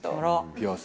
ピアス。